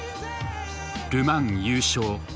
「ル・マン優勝」。